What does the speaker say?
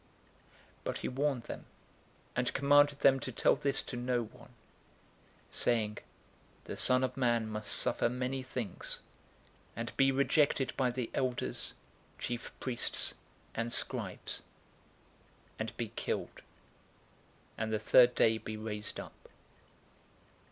009:021 But he warned them, and commanded them to tell this to no one, 009:022 saying, "The Son of Man must suffer many things, and be rejected by the elders, chief priests, and scribes, and be killed, and the third day be raised up."